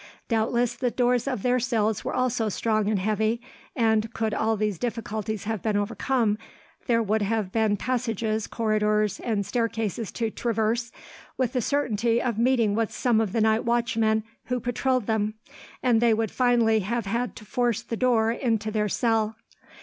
Doubtless the doors of their cells were also strong and heavy, and, could all these difficulties have been overcome, there would have been passages, corridors, and staircases to traverse, with the certainty of meeting with some of the night watchmen who patrolled them, and they would finally have had to force the door into their cell.